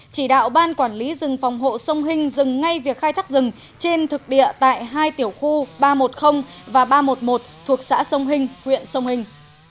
chỉ đạo ban quản lý rừng phòng hộ sông hinh dừng ngay việc khai thác rừng trên thực địa tại hai tiểu khu ba trăm một mươi và ba trăm một mươi một thuộc xã sông hình huyện sông hình